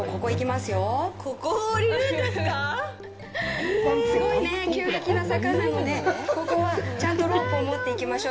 すごいね、急激な坂なのでここは、ちゃんとロープを持って行きましょう。